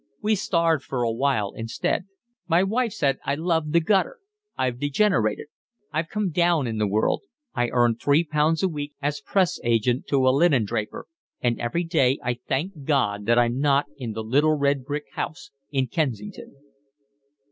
We starved for a while instead. My wife said I loved the gutter. I've degenerated; I've come down in the world; I earn three pounds a week as press agent to a linendraper, and every day I thank God that I'm not in the little red brick house in Kensington."